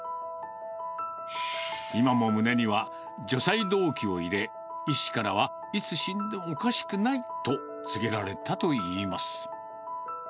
今も胸には除細動器を入れ、医師からはいつ死んでもおかしくないと告げられたといいます。